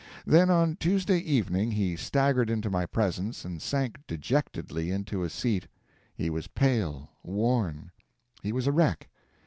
Then, on Tuesday evening, he staggered into my presence and sank dejectedly into a seat. He was pale, worn; he was a wreck.